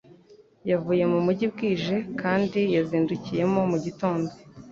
Yavuye mu mujyi bwije kandi yazindukiyemo mu gitondo